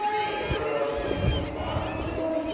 これはいいと思います。